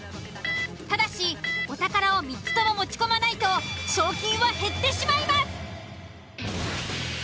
ただしお宝を３つとも持ち込まないと賞金は減ってしまいます。